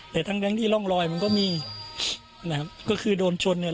แต่ทั้งทั้งที่ร่องรอยมันก็มีนะครับก็คือโดนชนเนี่ย